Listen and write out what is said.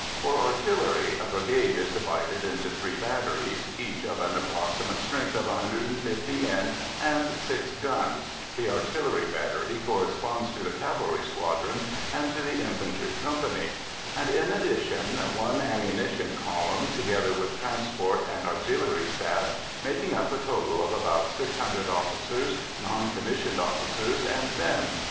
For artillery, a brigade is divided into three batteries, each of an approximate strength of 150 men and six guns (the artillery battery corresponds to the cavalry squadron and to the infantry company) and, in addition, one ammunition column, together with transport and auxiliary staff, making up a total of about 600 officers, non commissioned officers, and men.